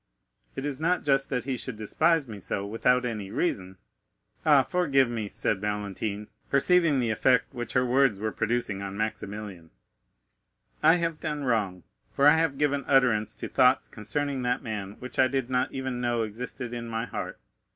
It is not just that he should despise me so, without any reason. Ah, forgive me," said Valentine, perceiving the effect which her words were producing on Maximilian: "I have done wrong, for I have given utterance to thoughts concerning that man which I did not even know existed in my heart.